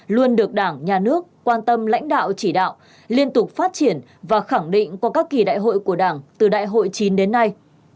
luôn được đảng nhà nước quan tâm lãnh đạo chỉ đạo liên tục phát triển và khẳng định qua các kỳ đại hội của đảng từ đại hội chín đến nay